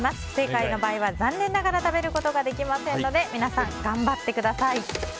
不正解の場合は残念ながら食べることができませんので皆さん頑張ってください。